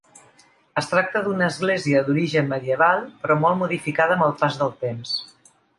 Es tracta d'una església d'origen medieval però molt modificada amb el pas del temps.